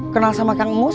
kenal sama kang mus